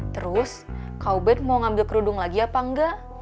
terus kau bet mau ngambil kerudung lagi apa nggak